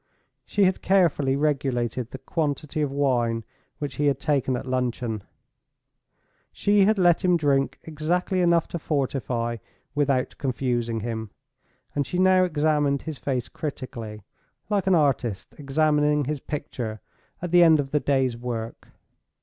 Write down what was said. She had carefully regulated the quantity of wine which he had taken at luncheon—she had let him drink exactly enough to fortify, without confusing him; and she now examined his face critically, like an artist examining his picture at the end of the day's work.